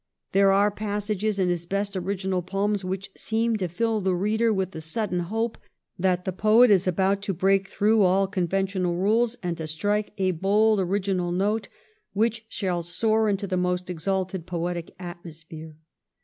There are passages in his best original poems which seem to fill the reader with the sudden hope that the poet is about to break through all conventional rules and to strike a bold original note which shall soar into the most exalted poetic atmosphere.